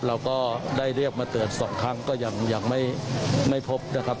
เราก็ได้เรียกมาเตือนสองครั้งก็ยังไม่พบนะครับ